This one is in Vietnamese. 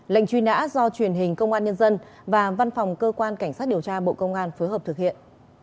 lệnh truy nã do truyền hình công an nhân dân và văn phòng cơ quan cảnh sát điều tra bộ công an phối hợp thực hiện